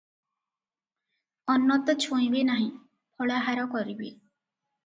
ଅନ୍ନ ତ ଛୁଇଁବେ ନାହିଁ, ଫଳାହାର କରିବେ ।